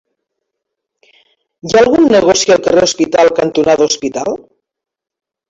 Hi ha algun negoci al carrer Hospital cantonada Hospital?